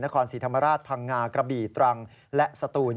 นครศรีธรรมราชพังงากระบี่ตรังและสตูน